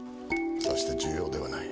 さして重要ではない。